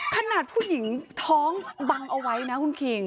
ขนาดผู้หญิงท้องบังเอาไว้นะคุณคิง